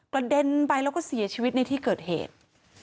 เด็นไปแล้วก็เสียชีวิตในที่เกิดเหตุ